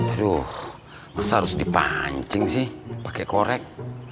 aduh masa harus dipancing sih pakai korek